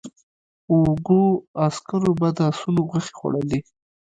وږو عسکرو به د آسونو غوښې خوړلې.